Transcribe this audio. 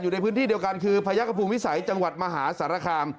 ในพื้นที่เดียวกันคือพญาคภูมิวิสัยจังหวัดมหาสารคาม